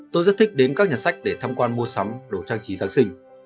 tôi rất thích đến các nhà sách để tham quan mua sắm đồ trang trí giáng sinh